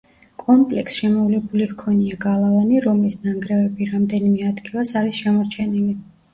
კომპლექსს შემოვლებული ჰქონია გალავანი, რომლის ნანგრევები რამდენიმე ადგილას არის შემორჩენილი.